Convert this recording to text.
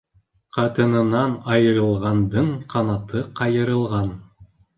Ҡатынынан айырылғандың ҡанаты ҡайырылған.